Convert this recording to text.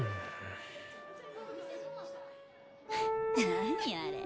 ・何あれ？